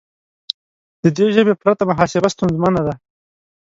د دې ژبې پرته محاسبه ستونزمنه ده.